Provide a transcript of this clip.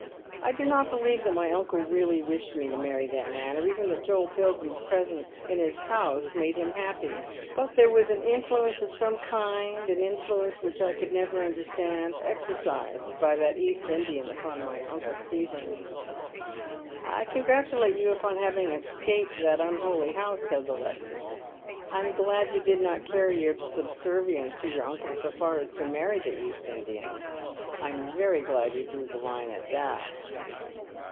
I do not believe that my uncle really wished me to marry that man, or even that Joel Pilgiim's presence in his house made him happy ; but there was an influence of some kind — an influence which I could never understand — exercised by that East Indian upon my uncle Stephen." " I congratulate you upon having escaped that unholy house," says Alexis. " I am glad you did not carry your subservience to your uncle so far as to marry the East Indian. I am veiy glad you drew the line at that."